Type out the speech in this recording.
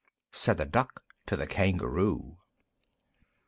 Said the Duck to the Kangaroo.